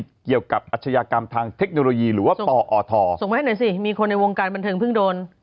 ส่งมาให้หน่อยสิมีคนในวงการบันเทิงเพิ่งโดน